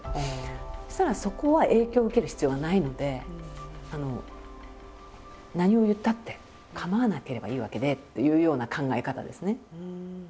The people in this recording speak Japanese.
そしたらそこは影響を受ける必要はないので何を言ったって構わなければいいわけでというような考え方ですね。